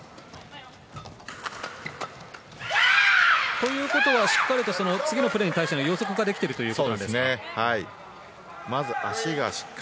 ということはしっかりと次のプレーに対しての予測ができているということですか。